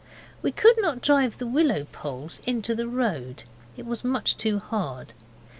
We could not drive the willow poles into the road; it was much too hard.